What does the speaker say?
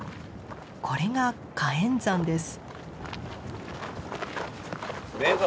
これが火焔山です。